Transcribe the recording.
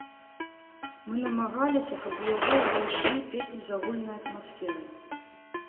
Мы намагаліся, каб у яго ўвайшлі песні з агульнай атмасферай.